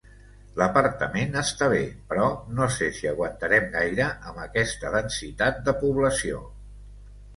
L'apartament està bé, però no sé si aguantarem gaire amb aquesta densitat de població.